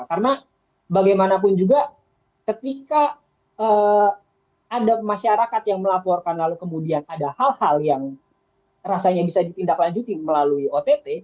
karena bagaimanapun juga ketika ada masyarakat yang melaporkan lalu kemudian ada hal hal yang rasanya bisa dipindahkan melalui ott